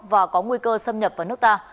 và có nguy cơ xâm nhập vào nước ta